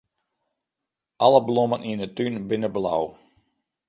Alle blommen yn 'e tún binne blau.